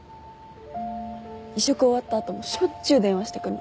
移植終わった後もしょっちゅう電話して来るの。